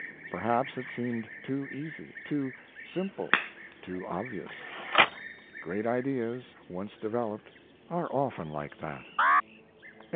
Perhaps it seemed too easy, too simple, too obvious. Great ideas, once developed, are often like that. CCV.